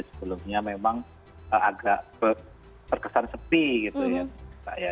sebelumnya memang agak terkesan sepi gitu ya